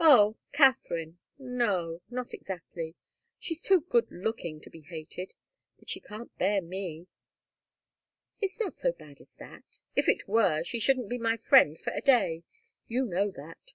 "Oh Katharine? No not exactly. She's too good looking to be hated. But she can't bear me." "It's not so bad as that. If it were, she shouldn't be my friend for a day. You know that.